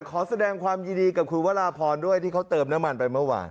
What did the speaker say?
ขอแสดงความยินดีกับคุณวราพรด้วยที่เขาเติมน้ำมันไปเมื่อวาน